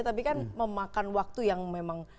tapi kan memakan waktu yang memang